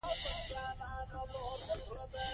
باید په ګډه کار وکړو.